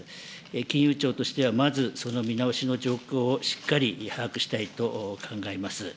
金融庁としては、まずその見直しの状況をしっかり把握したいと考えます。